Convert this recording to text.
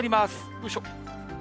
よいしょ。